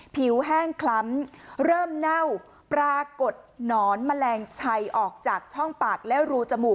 แห้งคล้ำเริ่มเน่าปรากฏหนอนแมลงชัยออกจากช่องปากและรูจมูก